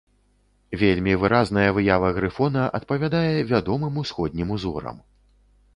Вельмі выразная выява грыфона адпавядае вядомым усходнім узорам.